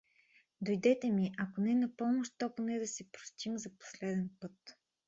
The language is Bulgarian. Дойдете ми, ако не на помощ, то поне да се простим за последен път!